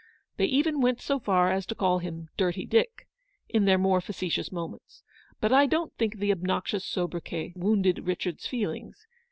They even went so far as to call him " Dirty Dick," in their more facetious moments ; but I don't think the obnoxious soubriquet wounded Richard's feelings.